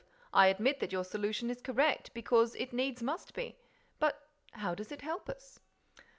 I admit that your solution is correct, because it needs must be; but how does it help us?"